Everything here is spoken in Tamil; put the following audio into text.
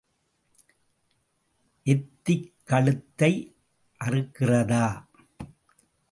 எத்திக் கழுத்தை அறுக்கிறதா?